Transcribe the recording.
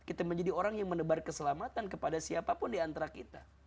kita menjadi orang yang menebar keselamatan kepada siapapun diantara kita